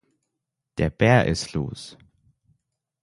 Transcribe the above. Der Bär ist los!